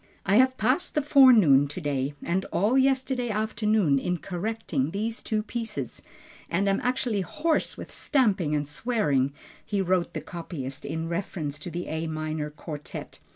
"I have passed the forenoon to day, and all yesterday afternoon in correcting these two pieces and am actually hoarse with stamping and swearing," he wrote the copyist in reference to the A minor Quartet.